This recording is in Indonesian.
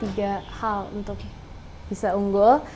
tiga hal untuk bisa unggul